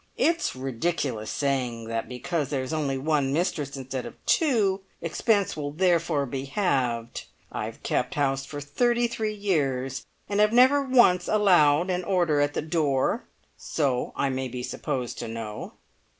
"It's ridiculous saying that because there is only one mistress instead of two, expense will therefore be halved. I have kept house for thirty three years, and have never once allowed an order at the door, so I may be supposed to know.